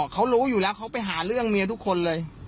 เขารู้อยู่แล้วเขาไปหาเรื่องเมียทุกคนเลย